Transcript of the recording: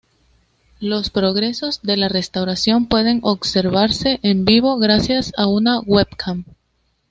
Los progresos de la restauración pueden observarse en vivo gracias a una "webcam".